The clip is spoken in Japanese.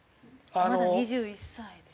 まだ２１歳ですよね。